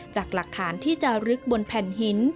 จากหลักฐานที่จะลึกบนแผ่นหิน